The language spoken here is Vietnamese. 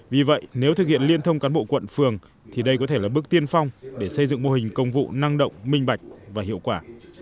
vì vậy nếu thực hiện liên thông cán bộ quận phường thì đây có thể là bước tiên phong để xây dựng mô hình công vụ năng động minh bạch và hiệu quả